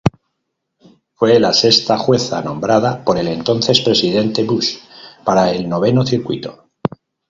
Fue la sexta jueza nombrada por el entonces Presidente Bush para el Noveno Circuito.